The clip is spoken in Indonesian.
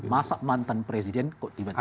masa mantan presiden kok tiba tiba